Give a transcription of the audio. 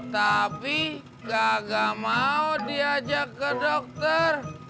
tapi gak mau diajak ke dokter